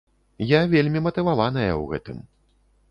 Я вельмі матываваная ў гэтым.